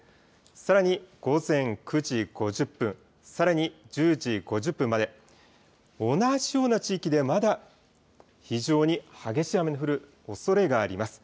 さらに午前９時５０分、さらに１０時５０分まで、同じような地域でまだ非常に激しい雨の降るおそれがあります。